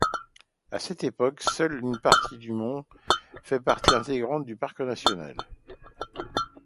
À cette époque, seule une partie du mont fait partie intégrante du parc national.